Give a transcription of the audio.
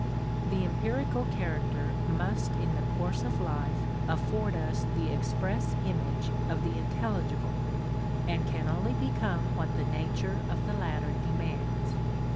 The empirical character must in the course of life afford us the express image of the intelligible, and can only become what the nature of the latter demands.